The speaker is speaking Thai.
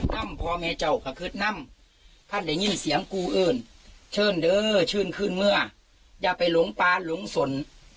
ทำอย่างกูเอิญเชื่อว์เดย์ชื่นคลื่นเมื่ออย่าไปหลวงปายหลวงศร